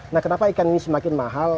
nah kenapa ikan ini semakin mahal